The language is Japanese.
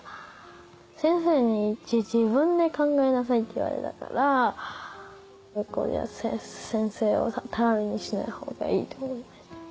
先生に「自分で考えなさい」って言われたから学校では先生を頼りにしない方がいいって思いました。